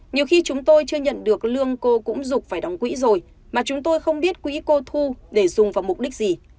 nhiều khi chúng tôi chưa nhận được lương cô cũng dục phải đóng quỹ rồi mà chúng tôi không biết quỹ cô thu để dùng vào mục đích gì